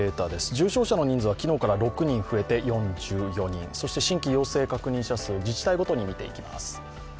重症者の人数は昨日から６人増えて４４人、新規陽性確認者数、自治体ごとに見ていきます。